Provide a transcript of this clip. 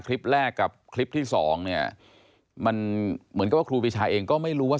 คลิปแรกกับคลิปที่สองเนี่ยมันเหมือนกับว่าครูปีชาเองก็ไม่รู้ว่า